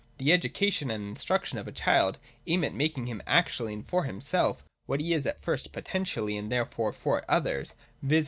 The education and instruction of a child aim at making him actually and for himself what he is at first potentially and therefore for others, viz.